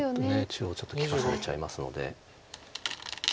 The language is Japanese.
中央ちょっと利かされちゃいますので。